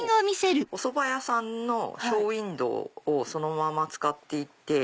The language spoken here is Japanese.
おそば屋さんのショーウインドーをそのまま使っていて。